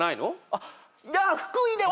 あっ福井で。